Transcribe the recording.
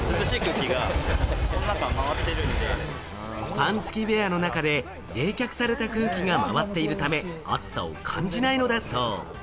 ファン付きウエアの中で冷却された空気が回っているため、暑さを感じないのだそう。